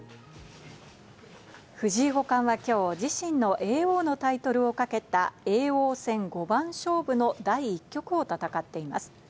藤井五冠は今日、自身の叡王のタイトルを懸けた叡王戦五番勝負の第１局を戦っています。